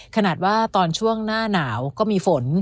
ขนาดว่าตอนช่วงหน้าหนาวก็มีฝน